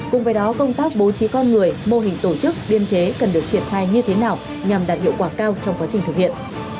cùng với đó công tác bố trí con người mô hình tổ chức biên chế cần được triển khai như thế nào nhằm đạt hiệu quả cao trong quá trình thực hiện